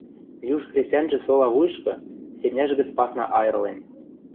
Юж хресӓньжӹ сола вуйышкы, семняжӹ гӹц пасна айырлен